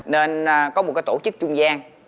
nên có một cái tổ chức trung gian